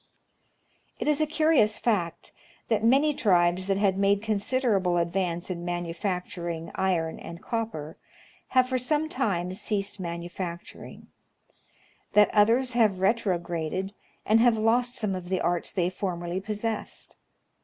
It is a curious fact that many tribes that had made considerable advance in manufacturing iron and copper, have for some time ceased manufacturing ; that others have retrograded, and have lost some of the arts they formerly possessed.